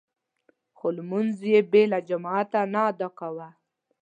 خو لمونځ يې بې له جماعته نه ادا کاوه.